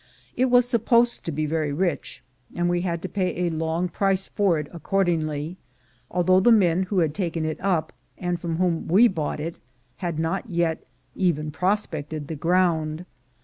It was supposed to be very rich, and we had to pay a long price for it ac cordingly, although the men who had taken it up, and from whom we bought it, had not yet even pros pected the ground.